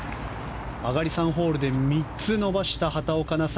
上がり３ホールで３つ伸ばした畑岡奈紗